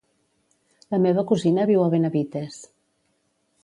La meva cosina viu a Benavites.